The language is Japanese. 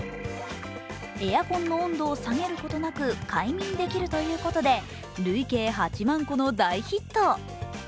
エアコンの温度を下げることなく快眠できるということで累計８万個の大ヒット。